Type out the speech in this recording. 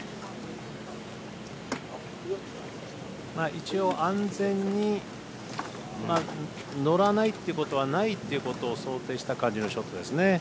一応安全に乗らないってことはないということを想定した感じのショットでしたね。